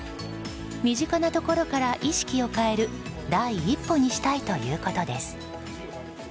身近なところから意識を変える第一歩にしたいということです。